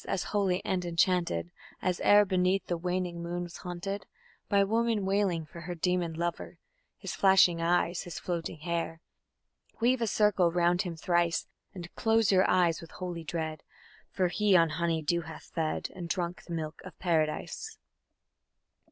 as holy and enchanted As ere beneath the waning moon was haunted By woman wailing for her demon lover... His flashing eyes, his floating hair! Weave a circle round him thrice, And close your eyes with holy dread, For he on honey dew hath fed And drunk the milk of Paradise.